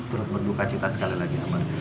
turut berduka cita sekali lagi aman